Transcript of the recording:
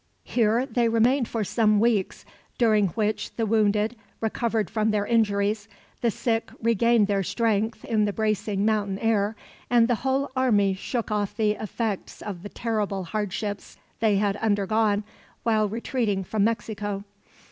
Here they remained for some weeks, during which the wounded recovered from their injuries, the sick regained their strength in the bracing mountain air, and the whole army shook off the effects of the terrible hardships they had undergone, while retreating from Mexico.